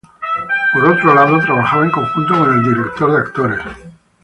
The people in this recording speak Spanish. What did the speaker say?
Por otro lado, trabaja en conjunto con el director de actores.